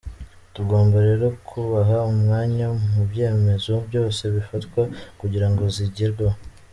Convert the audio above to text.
Tugomba rero kubaha umwanya mu byemezo byose bifatwa kugirango zigerweho.